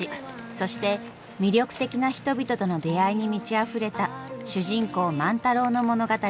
そして魅力的な人々との出会いに満ちあふれた主人公万太郎の物語。